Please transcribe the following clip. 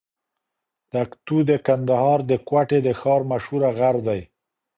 تکتو د کندهار د کوټي د ښار مشهوره غر دئ.